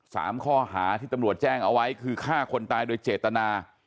สามข้อหาที่ตำรวจแจ้งเอาไว้คือฆ่าคนตายโดยเจตนา